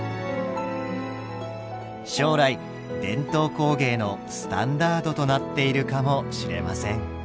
将来伝統工芸のスタンダードとなっているかもしれません。